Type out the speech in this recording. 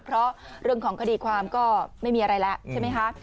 เพราะเรื่องของคดีความก็ไม่มีอะไรแล้วใช่ไหมคะ